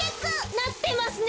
なってますね。